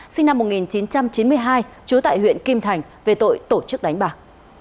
sinh năm một nghìn chín trăm chín mươi hai trú tại huyện kim thành về tội tổ chức đánh bạc